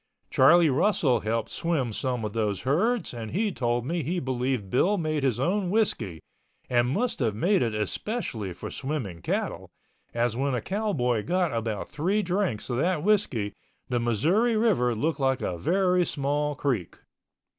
Charlie Russell helped swim some of those herds and he told me he believed Bill made his own whiskey and must have made it especially for swimming cattle, as when a cowboy got about three drinks of that whiskey the Missouri River looked like a very small creek.